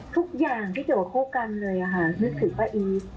ทุกอย่างที่เกี่ยวกับคู่กันเลยค่ะนึกถึงป้าอีท